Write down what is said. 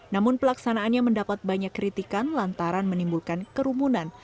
namun pelaksanaannya mendapat banyak kritikan lantaran menimbulkan kerumunan